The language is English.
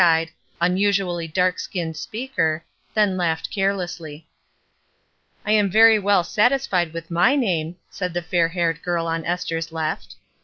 r^ ''WHATS IN A NAME?" 3 eyed, unusually darknsldzmed speaker, then laughed carelessly. "I am very well satisfied with my name," said the fair haired prl on Esther's left.